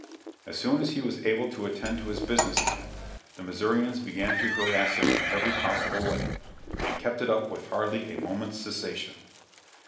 As soon as he was able to attend to his business again, the Missourians began to harass him in every possible way, and kept it up with hardly a moment's cessation.